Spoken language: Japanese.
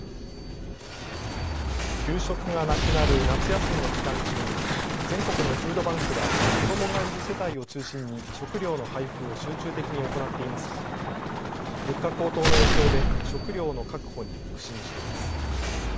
給食がなくなる夏休みの期間中に全国のフードバンクは子どもがいる世帯を中心に食料の配布を集中的に行っていますが物価高騰の影響で食料の確保に苦心しています。